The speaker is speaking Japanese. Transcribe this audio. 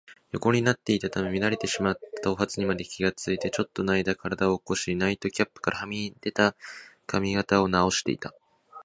横になっていたために乱れてしまった頭髪にまで気がついて、ちょっとのあいだ身体を起こし、ナイトキャップからはみ出た髪形をなおしていた。